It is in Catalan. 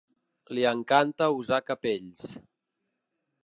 Li encanta usar capells.